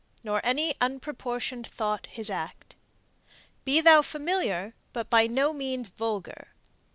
Nor any unproportion'd thought his act. Be thou familiar, but by no means vulgar.